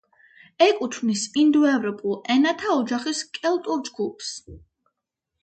ეკუთვნის ინდოევროპულ ენათა ოჯახის კელტურ ჯგუფს.